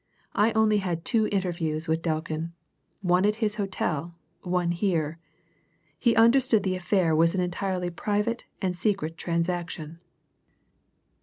I only had two interviews with Delkin one at his hotel, one here. He understood the affair was an entirely private and secret transaction."